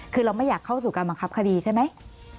คือเราไม่อยากเข้าสู่การบังคับคดีใช่ไหม